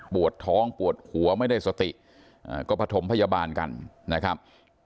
ปวดท้องปวดหัวไม่ได้สติก็ผสมพยาบาลกันนะครับ